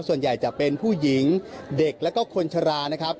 ส่วนใหญ่จะเป็นผู้หญิงเด็กแล้วก็คนชรานะครับ